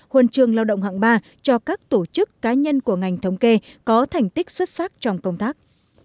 huân trường lao động hạng ba cho các tổ chức cá nhân của ngành thống kê có thành tích xuất sắc trong công tác